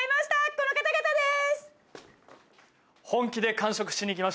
この方々です！